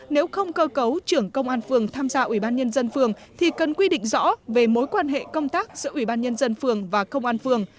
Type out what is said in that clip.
nếu không cơ cấu trưởng công an phường tham gia ủy ban nhân dân phường thì cần quy định rõ về mối quan hệ công tác giữa ủy ban nhân dân phường và công an phường